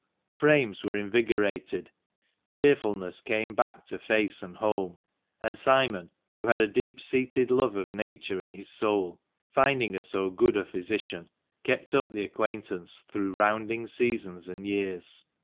Frames were invigorated, cheer fulness came back to face and home, and Simon, who had a deep seated love of Nature in his soul, finding her so good a physician, kept up the acquaintance through rounding seasons and years.